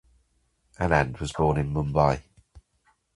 Anand was born in Mumbai.